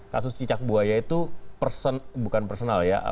kasus cicak buaya itu person bukan personal ya